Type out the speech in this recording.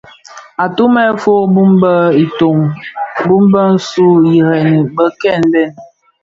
Atumèn fo bum be itöň bö sug ireňi beken bèn.